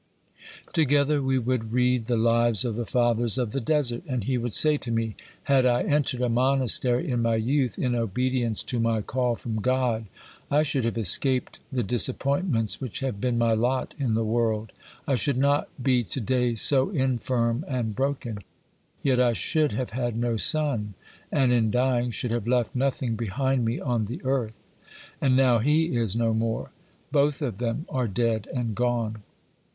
Together we would read the ' Lives of the Fathers of the Desert,' and he would say to me :' Had I entered a monastery in my youth, in obedience to my call from God, I should have escaped the disappointments which have been my lot in the world, I should not be to day so infirm and broken ; yet I should have had no son, and, in dying, should have left nothing behind me on the earth.' "... And now he is no more ! Both of them are dead and gone